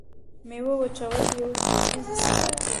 د میوو وچول یو دودیز صنعت دی.